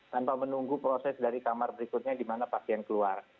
tanpa menunggu proses dari kamar berikutnya di mana pasien keluar